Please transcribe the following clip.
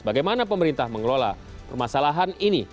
bagaimana pemerintah mengelola permasalahan ini